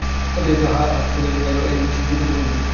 অতীনের হাত চেপে ধরে এলা বললে, কেন এলে এই নিশ্চিত বিপদের মধ্যে।